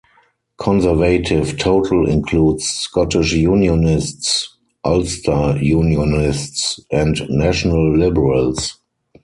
Conservative total includes Scottish Unionists, Ulster Unionists, and National Liberals.